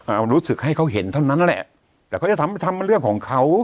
เอารู้สึกให้เขาเห็นเท่านั้นแหละแต่เขาจะทำไปทำมันเรื่องของเขา